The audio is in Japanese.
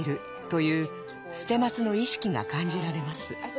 という捨松の意識が感じられます。